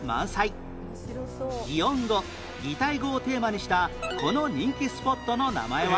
擬音語擬態語をテーマにしたこの人気スポットの名前は？